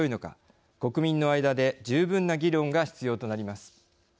国民の間で十分な議論が必要となります。